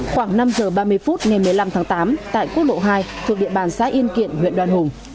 khoảng năm giờ ba mươi phút ngày một mươi năm tháng tám tại quốc lộ hai thuộc địa bàn xã yên kiện huyện đoàn hùng